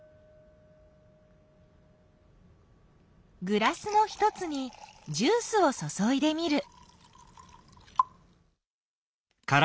グラスの一つにジュースをそそいでみる。